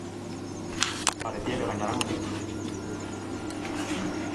Parecía que gañaran o título.